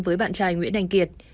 với bạn trai nguyễn anh kiệt